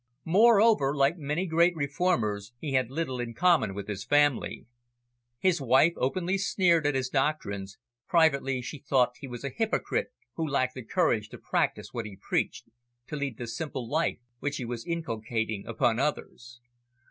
Moreover, like many great reformers, he had little in common with his family. His wife openly sneered at his doctrines; privately she thought he was a hypocrite who lacked the courage to practise what he preached, to lead the simple life which he was inculcating upon others.